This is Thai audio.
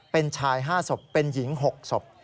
เป็นชาย๕ศพเป็นหญิง๖ศพ